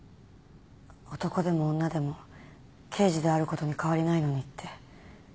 男でも女でも刑事であることに変わりないのにって。